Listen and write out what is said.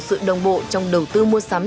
sự đồng bộ trong đầu tư mua sắm